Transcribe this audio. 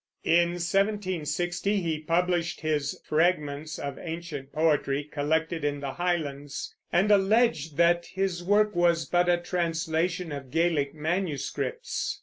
In 1760 he published his Fragments of Ancient Poetry collected in the Highlands, and alleged that his work was but a translation of Gaelic manuscripts.